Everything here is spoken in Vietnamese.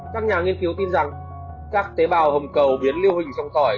các nhà nghiên cứu tin rằng các tế bào hồng cầu biến lưu hình trong khỏi